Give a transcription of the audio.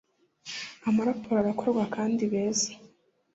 amaraporo arakorwa kandi beza